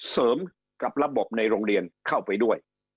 เสริมกับระบบในโรงเรียนเข้าไปด้วย